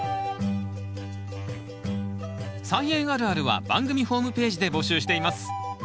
「菜園あるある」は番組ホームページで募集しています。